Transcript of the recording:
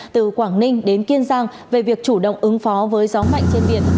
từ quảng ninh đến kiên giang về việc chủ động ứng phó với gió mạnh trên biển